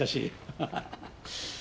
ハハハッ。